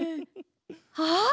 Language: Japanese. あっ！